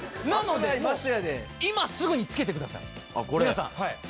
なので今すぐにつけてください皆さん。